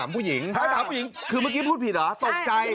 วันไหนครับวันไหน